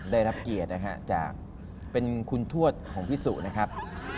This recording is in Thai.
ได้รับเกียรตินะฮะจากเป็นคุณทวดของพี่สุนะครับ